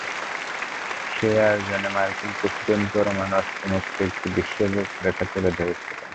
সেই আয়োজনে মার্কিন প্রেসিডেন্ট পরমাণু অস্ত্রমুক্ত একটি বিশ্বের রূপরেখা তুলে ধরেছিলেন।